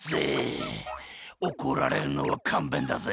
おこられるのはかんべんだぜ。